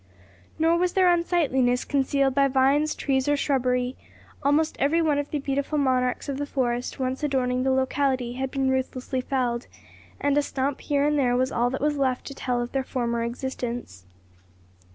Nor was their unsightliness concealed by vines, trees, or shrubbery; almost every one of the beautiful monarchs of the forest once adorning the locality had been ruthlessly felled, and a stump here and there was all that was left to tell of their former existence.